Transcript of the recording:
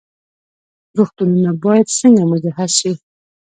روغتونونه باید څنګه مجهز شي؟